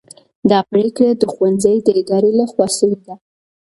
دا پرېکړه د ښوونځي د ادارې لخوا سوې ده.